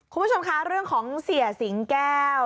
คุณผู้ชมคะเรื่องของเสียสิงแก้ว